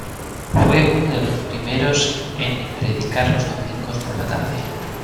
Fue uno de los primeros en predicar los domingos por la tarde.